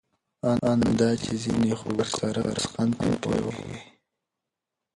آن دا چي ځيني خو ګرسره پسخند په وهي.